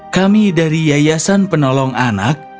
kami dari yayasan penolong anak